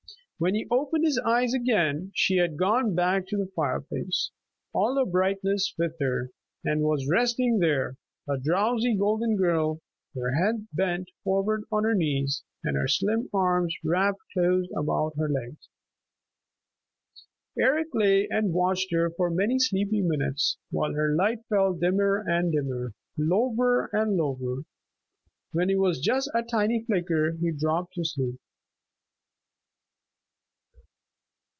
When he opened his eyes again, she had gone back to the fireplace, all her brightness with her, and was resting there, a drowsy, golden girl, her head bent forward on her knees and her slim arms wrapped close about her legs. Eric lay and watched her for many sleepy minutes while her light fell dimmer and dimmer, lower and lower. When it was just a tiny flicker he dropped to sleep.